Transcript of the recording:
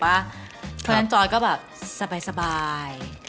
เพราะฉะนั้นจอยก็แบบสบาย